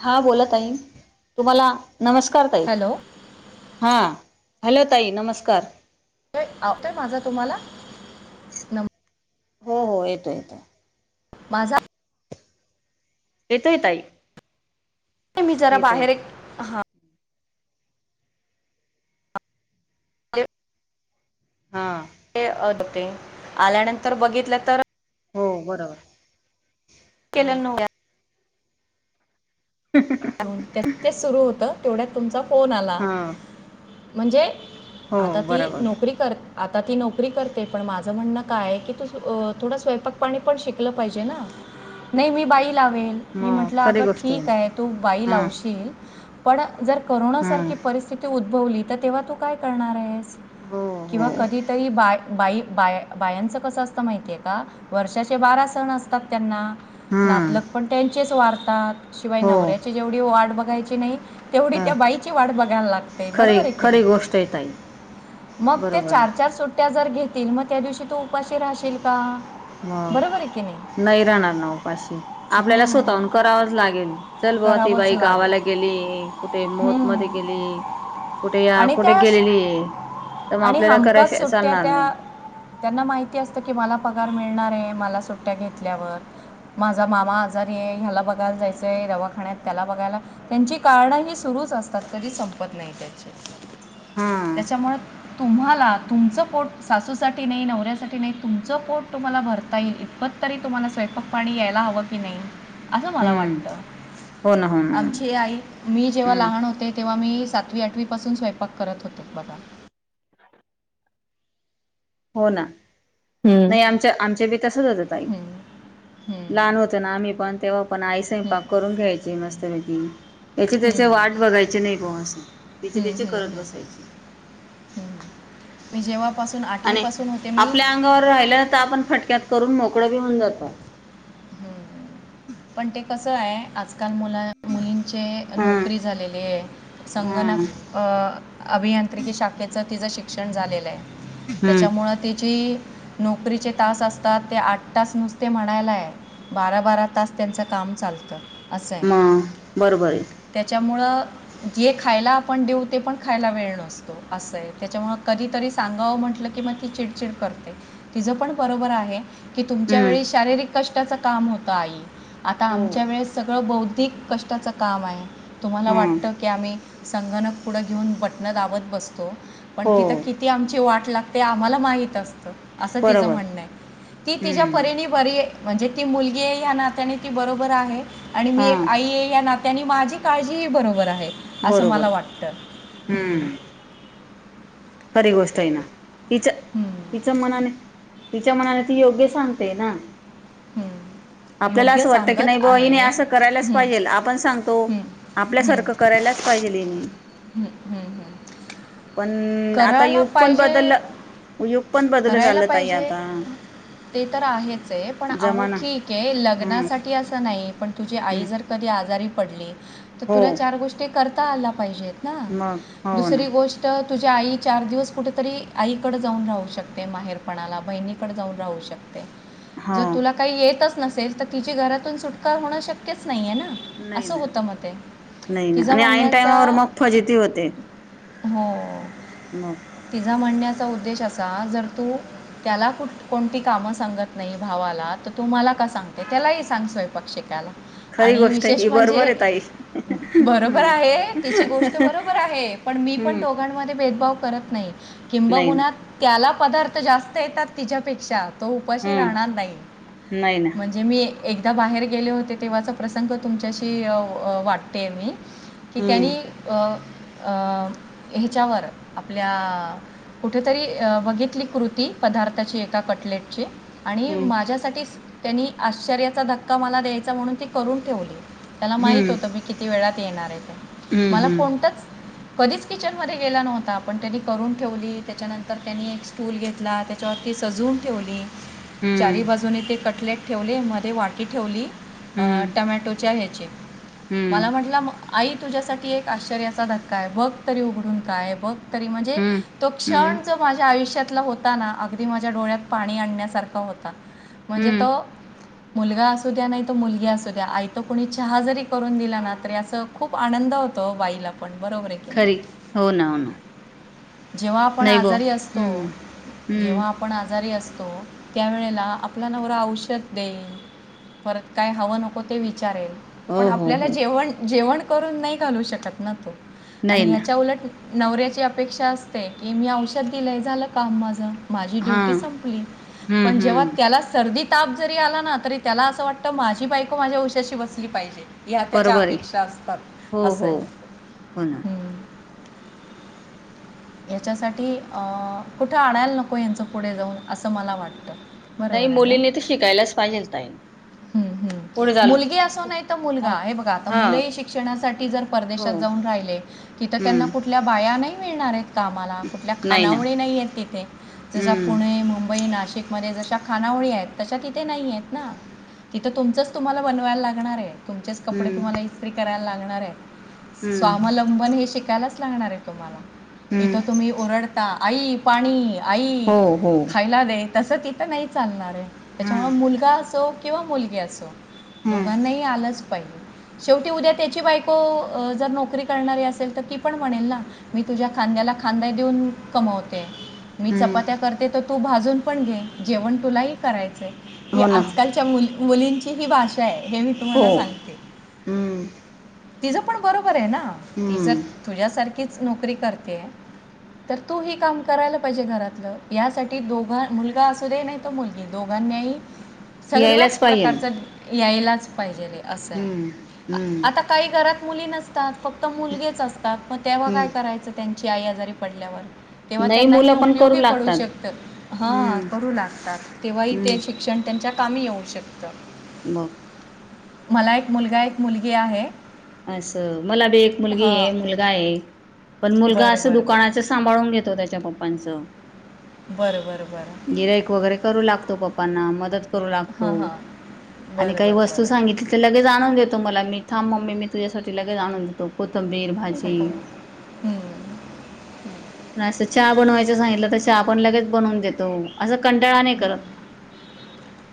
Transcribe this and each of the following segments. हा बोला ताई तुम्हाला नमस्कार ताई हॅलो हा. हॅलो ताई नमस्कार. येतोय येतोय माझा तुम्हाला नम हो हो येतो येतो. माझा. येतोय ताई. मी जरा येतोय बाहेर एक हा. य हा. ते आत होते आल्यानंतर बघितलं तर. हो बरोबर. हां [unintelligible] तेच सुरु होत तेवढ्यात तुमचा फोन आला हां म्हणजे. हो आता ती बरोबर नोकरी कर आता ती नोकरी करते पण माझं म्हणणं काय की अ तू थोडं स्वयंपाक पाणी पण शिकलं पाहिजे ना. न्हय मी बाई लावीन मी मग म्हटलं खरी अगं गोष्ट आहे ठीकय तू बाई हां लावशील पण. जर हां कोरोनासारखी परिस्थिती उद्भवली तर तेव्हा तू काय करणार आहेस. हो हो किंवा कधीतरी बाय बाई बाया बायांचं कसं असतं माहितीय आहे, का वर्षाचे बारा सण असतात त्यांना. हां नातलक पण त्यांचेच वारतात शिवाय हो नवऱ्याची जेवढी वाट बघायची न्हय तेवढी हां त्या बाईची वाट बघायला लागते खरी बरोबर की नई. खरी गोष्ट आहे ताई मग ते बरोबर आहे चार, चार सुट्ट्या जर घेतील मग त्या दिवशी तू उपाशी राहशील का. ह बरोबर आहे की नाही राहणार ना ऊपाशी आपल्याला स्वतःहून हम्म, करावंच लागेल. चल ब ती करावंच बाई लागेल गावाला गेलीये कुठे मोत मध्ये हम्म. गेलीय. कुठे आ आणि कुठे त्या गेलेलीए. आणि हमखास सुट्ट्या त्या त्यांना माहि माहिती असत की, मला पगार मिळणार अय मला सुट्ट्या घेतल्यावर. माझा मामा आजारी हे ह्याला बघायला जायचंय रवा खाण्यात बघायला त्यांची कारणं ही सुरूच असतात कधी संपत नहीत त्याची. हा त्याच्यामुळे तुम्हाला तुमचं पोट सासूसाठी न्हई नवऱ्या साठी तुमचं पोट तुम्हाला भरता येईल इतपत तरी तुम्हाला स्वयपाकपाणी यायला हवं कि नाही. असं मला हम्म वाटत हो ना हो ना हो ना आमची आई मी जेव्हा हम्म लहान होते तेव्हा. तेव्हा मी सातवी आठवी पासून स्वयंपाक करत होते, बघा. हो ना. न्हई आमच्या आमच्या बी तसच होतं, ताई हं, हं, लहान होतं ना मी पण तेव्हा. पण आई हं, स्वयंपाक करून घ्यायची मस्तपैकी याची त्याची हं, वाट बघायची नाही कवा असं. तिचे हं, तिचे हं, करत हं, बसायची. हं. मी जेव्हापासून आणि आठवीपासून होते मी आपल्या अंगावर राहिल्य तर आपण फटक्यात करून मोकळं भी होऊन जातो. हम्म पण ते कसं हाय आज काल मुला मुलींचे हम्म नोकरी झालेली हे हम्म संगणक अभि अभीयांत्रिकी शाखेचं तिचं शिक्षण झालेलय हम्म त्याच्यामुळं तिची नोकरीचे तास असतात ते आठ तास नुसते म्हणायलाय. बारा बारा तास त्यांचं काम चालतं. असंय मग बरोबर आहे त्याच्यामुळं जे खायला आपण देऊ ते पण खायला वेळ नसतो असंय त्याच्यामुळे कधीतरी सांगां म्हंटलं की मग ती चिडचिड कर तीच पण बरोबर आहे. कि तुमच्या हम्म वेळी शारीरिक कष्टाच काम होत आई आता हो आमच्या वेळेस सगळं बौद्धिक बौद्धिक कष्टाचं काम आहे तुम्हाला हम्म वाटतं की आम्ही संगणक पुढं घेऊन बटणं दाबत बसतो पण हो तिथं किती आमची वाट लागते. ते आम्हाला माहित असत असं तिचं बरोबर म्हणणं आहे ती तिच्या हम्म परीणी बरी म्हणजे ती मुलगी आहे या नात्याने ती बरोबर आहे आणि मी एक हां आई या नात त्यांनी माझी काळजी ह बरोबर आहे असं बरोबर मला वाटतं हम्म. खरी गोष्ट आहे ना तिच हम्म, तिच मनाने तिच्या मनाला ती योग्य सांगते ना हम्म. आपल्याला योग्य असं वाटतं की सांगत नाही ब हने आहे असं करायलाच हम्म, पाहिजेल आपण सांगतो. हम्म, हम्म, आपल्यासारखं करायलाच पाहिजे तिने. हम्म, हम्म, हम्म. पण आता करायला युग पण पाहिजे, बदललं युग पण बदलू करायला चाललं ताई पाहिजे. आता ते तर आहेच आहे पण अहो जमाना ठीक आहे हम्म लग्नासाठी असं नाही पण तुझी आई हम्म जर कधी आजारी पडली तर तुला हो चार गोष्टी करता आल्या पाहिजे. ना मग हो ना दुसरी गोष्ट तुझ्या आई चार दिवस कुठेतरी आईकडं जाऊन राहू शकते माहेरपणाला बहिणीकडें जाऊन राहू शकते. जर हो तुला काही येतच नसेल तर तिची घरातून सुटका होणं शक्यच नाहीये ना नाही असं ना होतं म ते नाही ना तिच्या आणि ऐन म्हणण्याचा. टायमावर मग फजिती होते हो. मग न म्हणण्याचा उद्देश असा जर तू त्याला कुठ कोणती कामं सांगत नाही भावाला तर तू मला का सांगते त्यालाही सांग स्वयंपाक शिकायला. खरी आणि गोष्ट आहे विशेष ही बरोबर म्हणजे आहे ताई बरोबर हम्म आहे तिची गोष्ट बरोबर आहे. पण मी पण हम्म दोघांमध्ये भेदभाव करत नाही नाही ना किंबहुना त्याला पदार्थ जास्त येतात तिच्यापेक्षा तो उपाशी राहणार हम्म नाही नाही ना म्हणजे मी एकदा बाहेर गेले होते तेव्हाचा प्रसंग तुमच्याशी वाटते मी कि हम्म त्यांनी अ अ ह्याच्यावर आपल्या. कुठेतरी बघितली कृती पदार्थाची एका कटलेटची. आणि हम्म माझ्यासाठीच त्यांनी आश्चर्याचा धक्का मला द्यायचा म्हणून ती करून ठेवली. त्याला माहित हम्म होत मी किती वेळात येणार आहे ते हम्म मला हम्म कोणतच कधीच किचनमध्ये गेला नव्हता पण त्यांनी करून ठेवली त्याच्यानंतर त्यांनी एक स्टूल घेतला त्याच्यावर सजून ठेवली चारी बाजूने ते कटलेट. ठेवले मध्ये वाटी ठेवली हम्म हम्म टमॅटोच्या ह्याची. हम्म मला म्हटलं आई तुझ्यासाठी एक आश्चर्याचा धक्का आहे बघ. उघडून काय बघ तरी म्हणजे हम्म तो हम्म क्षण जो माझ्या आयुष्यातला होता अगदी माझ्या डोक्यात डोळ्यात पाणी आणण्यासारखा होता म्हणजे हम्म तो. मुलगा असू द्या नाही तर मुलगी असू द्या आयत कोणी चहा जरी करून दिला ना तरी अस खूप आनंद होत बाईला पण बरोबर आहे की नाही. खरी हो ना हो ना. जेव्हा आपण नाही बो आजारी असतो हम्म हम्म जेव्हा आपण आजारी असतो त्या वळेला आपल्या नवरा औषध देईल परत काय हवं नको ते वि विचारेल पण हो हो आपल्याला हो जे जेवण करून नाही घालू शकत ना तो? नाही आणि ना ह्याच्या उलट नवऱ्याची अपेक्षा असते की मी औषध दिलंय झालं काम माझं. माझी हा ड्युटी संपली हम्म पण जेव्हा हम्म त्याला सर्दी ताप जरी आला ना तरी त्याला असं वाटत माझी बायको माझ्या उशाशी बसली पाहिजे. या त्याच्या बरोबर आहे अपेक्षा असतात हो असंय. हो हो ना ह्याच्यासाठी अं कुठं आडायला नको यांचं पुढे जाऊन असं मला वाटतं. नाही बरोबर आहे ना? मुलींनी तर शिकायलाच पाहिजेल ताई. हं, हं. पुढे झालं मुलगी असो नाही तर मग मुलगा हे बघा आता हा मुलंही शिक्षणासाठी जर हो परदेशात जाऊन राहिले तिथं त्यांना हम्म कुठल्या बाया नाही मिळणार आहेत आम्हाला कुठल्या खानावळी नाही आहेत तिथे जसा हम्म पुणे, मुंबई, नाशिकमध्ये जशा खानावळी आहेत तशा तिथे नाही आहेत ना तिथं तुमचंच तुम्हाला बनवायला लागणार आहे. तुमचेच कपडे हम्म तुम्हाला इत्री करायला लागणार आहे हम्म स्वावलंबन हे शिकायलाच शिकायचं लागणार आहे तुम्हाला. इथ हम्म तुम्ही ओरडता आई पाणी आई हो हो खायला दे तसं तिथं नाही चालणार आहे हम्म त्याच्यामुळं मुलगा असो किंवा मुलगी असो हम्म दोघांनाही आलंच पाहिजे शेवटी उद्या त्याची बायको जर नोकरी करणारी असेल तर ती पण म्हणेल ना मी तुझ्या खांद्याला खांदा देऊन कमवते मी हम्म चपात्या करते तू भाजून पण घे जेवण तुलाही करायचंय ही हो ना आजकालच्या मुली मुलींची खुप की ही भाषा आहे, हे मी हो तुम्हाला सांगते. हम्म तिच पण बरोबर आहे ना ती जर हम्म तुझ्यासारखीच नोकरी कर ते तर तू ह काम करायला पाहिजे घरातलं यासाठी दोघ मुलगा असू दे नाही तर मुलगी दोघां [inaudible] सर्वच यायलाच पाहिजेल प्रकारचा यायलाच पाहिजे. असं आहे हम्म हम्म आता काही घरात मुली नसतात फक्त मुलगेच असतात मग तेव्हा हम्म काय करायचं त्यांची आई आजारी पडल्यावर? तेव्हा नाही त्यांना हे मुलं पण करू उपयोगी पडू लागतात शकत, हा हम्म करू लागतात तेव्हा ते हम्म शिक्षण त्यांच्या कामी येऊ शकत मग मला एक मुलगा एक मुलगी आहे. असं मला बी एक मुलगी हां आहे मुलगा आहे. पण मुलगा बरं असं बरं दुकानाच बरं सांभाळून घेतो त्याच्या पप्पांचं बर बर ब गिराईक वगैरे करू लागतो पप्पांना मदत करू लागतो. हां हां आणि बरं काही बरं वस्तू बरं सांगितली तर लगेच आणून देतो मला मी थांब मम्मी मी तुझ्यासाठी लगे आणून देतो. कोतंबीर, भाजी हो. हं. असं चहा बनवायचं सांगितलं तर चहा आपण लगेच बनवून देतो असं कंटाळा नाय करत.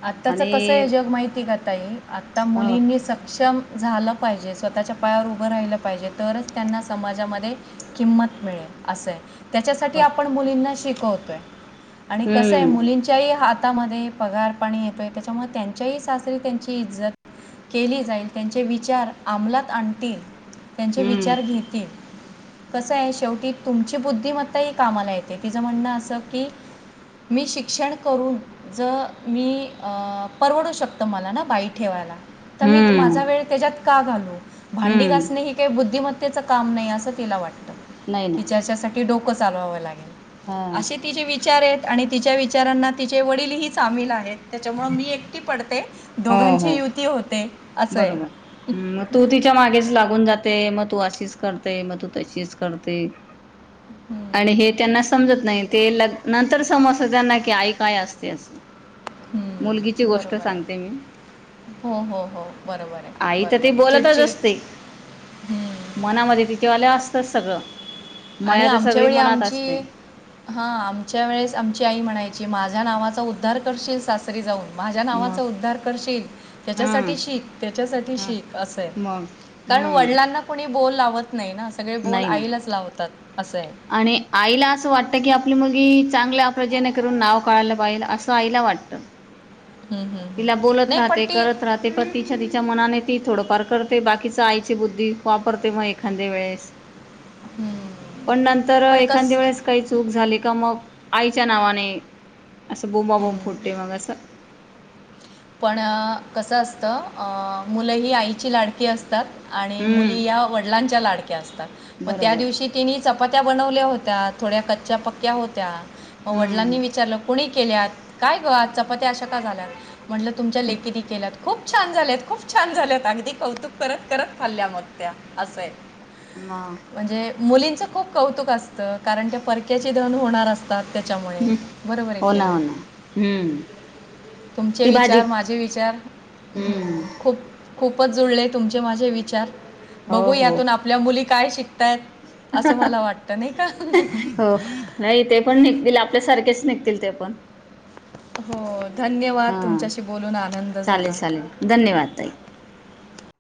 आताच कस आणि आहे जग माहिती आहे का ताई आता ह मुलींनी सक्षम झालं पाहिजे स्वतःच्या पायावर उभं राहिलं पाहिजे तरच त्यांना समाजामध्ये किंमत मिळेल. अस त्याच्यासाठी बर आपण मुलींना शिकवतोय आणि कसय हम्म मुलींच्या ही हात हातामध्ये पगार पाणी येतो आहे त्याच्यामुळे त्यांच्याही सासरी त्यांची इज्जत केली जाईल त्यांचे विचार अमलात आणतील त्यांचे हम्म विचार घेतील. कसं आहे शेवटी तुमची बुद्धीमत्ता ही कामाला येते तिचं म्हणणं असं की मी शिक्षण करून जर मी परवडू शकत मला ना बाई ठेवायला तर मी हम्म माझा वेळ त्याच्यात का घालू भांडी हम्म घासणे ही काही बुद्धिमत त्याचं काम नाही असं तिला वाटतं नाही ना की ज्याच्यासाठी डोकं चालवावं लागेल. हा असे तिचे विचार आहेत आणि तिच्या विचारांना तिचे वडील ही सामील आहेत त्याच्यामुळं मी एकटी पडते हो दोघांची हो युती होते. असं आहे बरोबर, मग तू तिच्या मागेच लागून जात मग तू अशीच करते, मग तू तशीच करते आणि हे त्यांना समजत नाही ते नं -नंतर समजत त्यांना की आई काय असते असं. मुलगीची हम्म, गोष्ट बरोबर आहे सांगते मी. हो हो हो बरोबर आहे आई तर बरोबर ते आहे बोलतच चिडचिड असते, हम्म. मनामध्ये तिच्यावाल्या असतच सगळं. आणि मया तर आमच्या सगळी वेळी मनात असते आमची हा आमच्या वेळेस आमची आई म्हणायची. की माझ्या नावाचा उद्धार करशील सासरी जाऊन. माझ्या मग नावाचा उद्धार करशील, हा त्याच्यासाठी शीक त्याच्यासाठी हा शीक असय. मग कारण हम्म वडिलांना कोणी बोल लावत नाही ना, सगळे बोल नाही ना आईलाचं लावतात. असं आहे आणि आईला असं वाटत की आप आपली मुलगी चांगल्या जेणेकरून नाव काढायला पाहिजे, असं आईला वाटतं. हम्म, हम्म, हम्म. तिला बोलत नाही पण राहते ती करत राहते, पण तिच्या तिच्या मनाने ती थोडंफार करते, बाकीच आईची बुद्धी वापरते मग एखाद्या वेळेस. पण नंतर पण कस एखादे वेळेस काही चूक झाली का? मग आईच्या नावाने असं बोंबाबोंब हम्म. फोडते मग असं पण कसं असतं, अ मुलं ही आईची लाडकी असतात. आणि मुली हम्म या वडिलांच्या लाडक्या असतात, मग त्या बरोबर दिवशी तिनी चपात्या बनवल्या होत्यात. थोड्या कच्च्या पक्क्या होत्या, मग वडिलांनी हम्म विचारलं कोणी केल्यात काय गं? चपात्या अशा का झाल्यात, म्हटलं तुमच्या लेकीने केल्यात. खूप छान झालेत, खूप छान झालेत अगदी कौतुक करत करत खाल्ल्या मग त्या असंय. मग. मुलींचं खूप कौतुक असतं कारण, त्या परक्याची धन होणार असतात. त्याच्यामुळे बरोबर आहे हो कि ना नाय? हो ना हम्म तुझे ती भाजी विचार माझे विचार हम हम्म खुप खूपच जुळले तुमचे माझे विचार, हो बघू हो यातून आपल्या मुली काय शिकतायेत. [unintelligible] हो काही, ते पण निघतील आप आपल्या सारखेच निघतील ते पण. हो, धन्यवाद! हा तुमच्याशी बोलून आनंद चालेल झाला. चालेल धन्यवाद ताई